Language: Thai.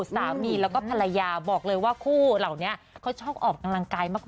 สามีแล้วก็ภรรยาบอกเลยว่าคู่เหล่านี้เขาชอบออกกำลังกายมาก